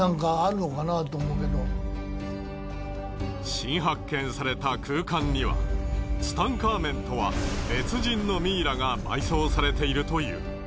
新発見された空間にはツタンカーメンとは別人のミイラが埋葬されているという。